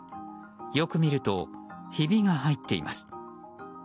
よく見ると、ひびが入っています。